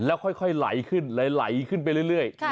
แล้วค่อยค่อยไหลขึ้นแล้วไหลขึ้นไปเรื่อยเรื่อยค่ะ